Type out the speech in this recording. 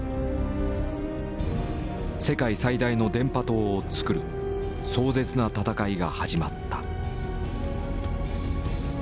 世界最大の電波塔を造る壮絶な戦いが始まった。